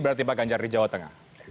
berarti pak ganjar di jawa tengah